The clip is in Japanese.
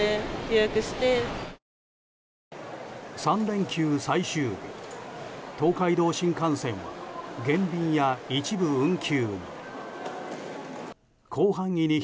３連休最終日、東海道新幹線は減便や一部運休に。